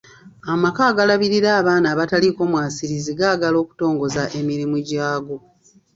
Amaka agalabirira abaana abataliiko mwasirizi gaagala kutongoza mirimu gyago.